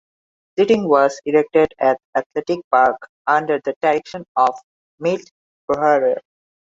Seating was erected at Athletic Park under the direction of Milt Bohrer.